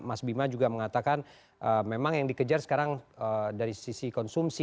mas bima juga mengatakan memang yang dikejar sekarang dari sisi konsumsi